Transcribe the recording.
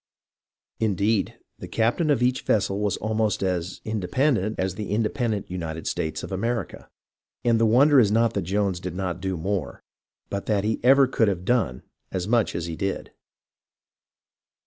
Indeed, the captain of each vessel was almost as " independent " as the independent United States of America, and the wonder is not that Jones did not do more, but that he ever could have done as much as he did.